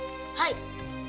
はい。